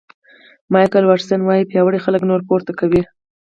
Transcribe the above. مایکل واټسن وایي پیاوړي خلک نور پورته کوي.